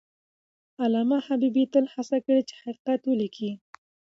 علامه حبیبي تل هڅه کړې چې حقیقت ولیکي.